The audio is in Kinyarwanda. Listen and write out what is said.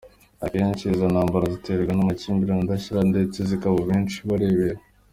Akenshi izo ntambara ziterwa n’amakimbirane adashira ndetse zikaba benshi barebera.